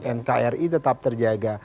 dan kri tetap terjaga